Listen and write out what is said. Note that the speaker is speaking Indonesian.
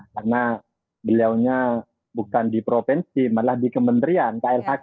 karena beliaunya bukan di provinsi malah di kementerian klhk